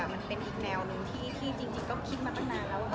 มันเป็นอีกแนวหนึ่งที่จริงก็คิดมาตั้งนานแล้ว